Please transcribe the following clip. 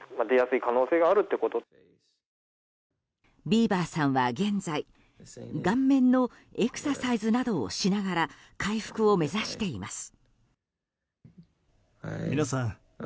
ビーバーさんは現在、顔面のエクササイズなどをしながら回復を目指しています。